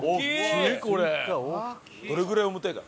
どれぐらい重たいか。